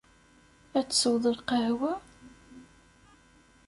Ad tesweḍ lqahwa?